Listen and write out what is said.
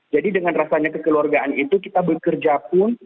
jadi dengan rasanya kekeluargaan itu kita bekerja pun